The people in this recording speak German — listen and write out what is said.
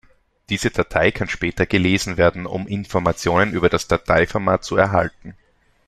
Diese Datei kann später gelesen werden, um Informationen über das Dateiformat zu erhalten.